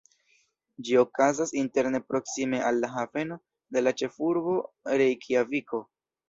Ĝi okazas interne proksime al la haveno de la ĉefurbo, Rejkjaviko.